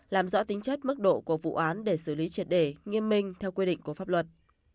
làm rõ tính chất mức độ của vụ án để xử lý triệt đề nghiêm minh theo quy định của pháp luật